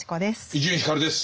伊集院光です。